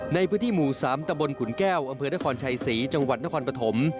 ในพื้นที่หมู่๓ตะบนขุนแก้วอำเภอนครชัยศรีจังหวัดนครปฐม